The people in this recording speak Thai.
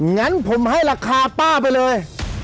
งั้นผมให้ราคาป้าไปเลย